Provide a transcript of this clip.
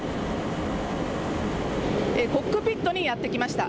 コックピットにやってきました。